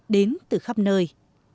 đến từ khắp nơi